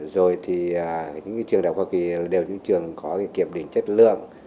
rồi thì những trường đại học hoa kỳ đều những trường có kiểm định chất lượng